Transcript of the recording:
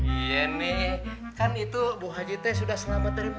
iya nih kan itu bu haji teh sudah selamat terima